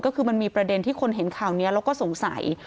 ก็คือมันมีประเด็นที่คนเห็นข่าวนี้แล้วก็สงสัย